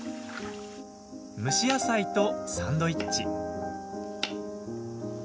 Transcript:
蒸し野菜とサンドイッチ。